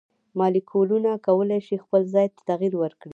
مالیکولونه کولی شي خپل ځای ته تغیر ورکړي.